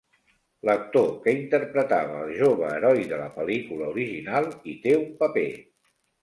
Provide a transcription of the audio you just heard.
L'actor que interpretava el jove heroi de la pel·lícula original hi té un paper.